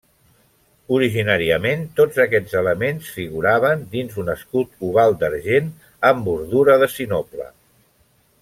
Originàriament tots aquests elements figuraven dins un escut oval d'argent amb bordura de sinople.